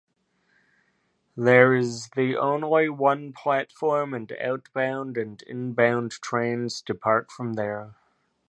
There is the only one platform and outbound and inbound trains depart from there.